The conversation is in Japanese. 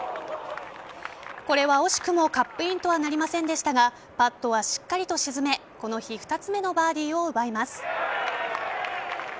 これは惜しくもカップインとはなりませんでしたがパットはしっかりと沈めこの日２つ目のバーディーを奪います。